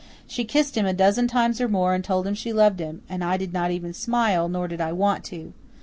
She kissed him a dozen times or more and told him she loved him and I did not even smile, nor did I want to.